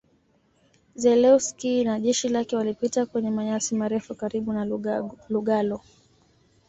Zelewski na jeshi lake walipita kwenye manyasi marefu karibu na Lugalo